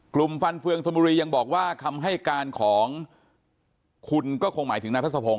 กลุ่มฟันเฟืองธมุรียังบอกว่าคำให้การของคุณก็คงหมายถึงนายพัฒนภง